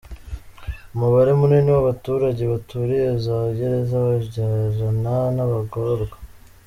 -Umubare munini w’abaturage baturiye za Gereza babyarana n’abagororwa